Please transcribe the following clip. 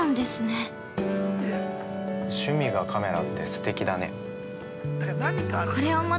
◆趣味がカメラって、すてきだね。